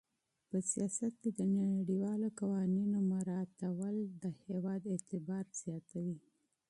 په سیاست کې د نړیوالو قوانینو مراعاتول د هېواد اعتبار زیاتوي.